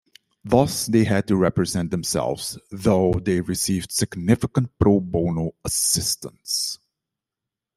Thus, they had to represent themselves, though they received significant pro bono assistance.